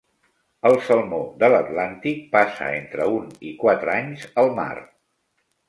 El salmó de l'Atlàntic passa entre un i quatre anys al mar.